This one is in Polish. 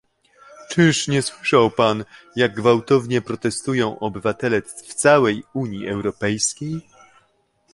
Czyż nie słyszał pan, jak gwałtownie protestują obywatele w całej Unii Europejskiej?